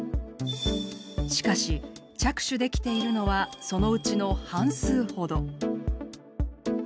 しかし着手できているのはそのうちの半数ほど。